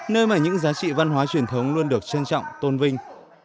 nơi mà những giá trị văn hóa truyền thống luôn được trân trọng tôn vinh